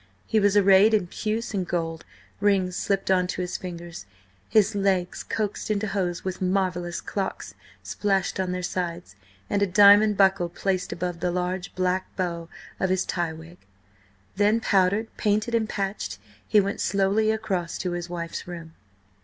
He was arrayed in puce and gold, rings slipped on to his fingers, his legs coaxed into hose with marvellous clocks splashed on their sides, and a diamond buckle placed above the large black bow of his tie wig. Then, powdered, painted and patched, he went slowly across to his wife's room.